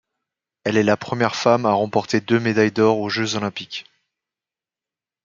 Elle est la première femme à remporter deux médailles d'or aux Jeux olympiques.